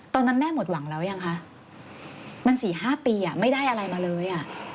ตอนนั้นแม่หมดหวังแล้วยังคะมัน๔๕ปีไม่ได้อะไรมาเลย